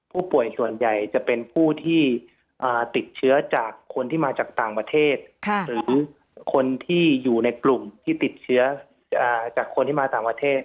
ผู้ป่วยส่วนใหญ่จะเป็นผู้ที่ติดเชื้อจากคนที่มาจากต่างประเทศหรือคนที่อยู่ในกลุ่มที่ติดเชื้อจากคนที่มาต่างประเทศ